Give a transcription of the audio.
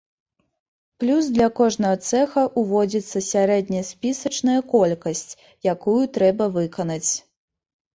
Плюс для кожнага цэха ўводзіцца сярэдняспісачная колькасць, якую трэба выканаць.